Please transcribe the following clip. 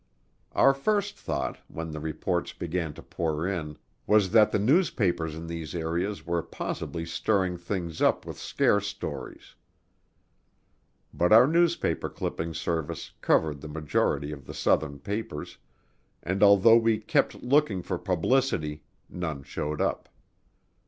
Our first thought, when the reports began to pour in, was that the newspapers in these areas were possibly stirring things up with scare stories, but our newspaper clipping service covered the majority of the southern papers, and although we kept looking for publicity, none showed up.